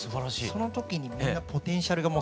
その時にみんなポテンシャルがもうすごくて。